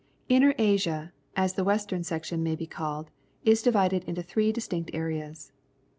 Inner Asia, as the western section may be called, is di\'ided into three distinct areas.